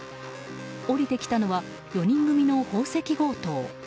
降りてきたのは４人組の宝石強盗。